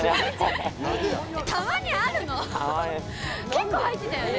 結構入ってたよね